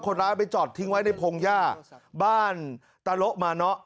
คนร้ายไปจอดทิ้งไว้ในพงหญ้าบ้านตะโละมาเนาะ